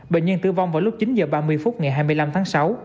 bệnh nhân tử vong vào lúc chín h ba mươi phút ngày hai mươi năm tháng sáu